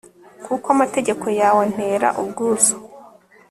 kuko amategeko yawe antera ubwuzu